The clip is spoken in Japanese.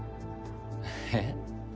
えっ？